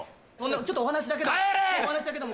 ちょっとお話だけでも。